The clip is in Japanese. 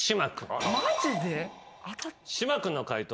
島君の解答